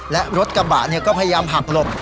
และรถกระบะก็พยายามหักหลบ